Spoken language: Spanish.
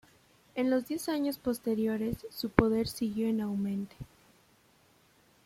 En los diez años posteriores su poder siguió en aumente.